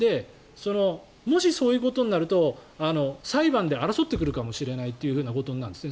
もしそういうことになると裁判で争ってくるかもしれないということなんです。